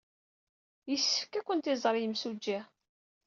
Yessefk ad kent-iẓer yemsujji.